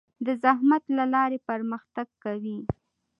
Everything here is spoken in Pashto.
د زحمت له لارې پرمختګ کوي.